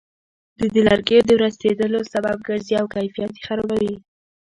دوی د لرګیو د ورستېدلو سبب ګرځي او کیفیت یې خرابوي.